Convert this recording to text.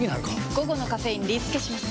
午後のカフェインリスケします！